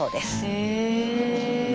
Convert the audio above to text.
へえ。